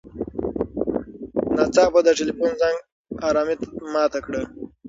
ناڅاپه د تیلیفون زنګ ارامي ماته کړه.